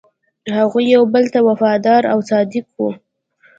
هغوی یو بل ته وفادار او صادق وو.